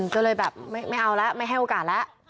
ก็เลยแบบไม่เอาแล้วไม่ให้โอกาสแล้ว